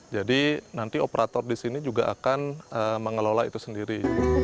jadi nanti operator di sini juga akan mengelola itu sendiri